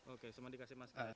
oke cuma dikasih masker